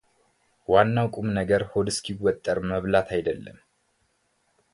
ዋናው ቁም ነገር ሆድ እስኪወጠር መብላት አይደለም።